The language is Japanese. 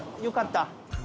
よかった。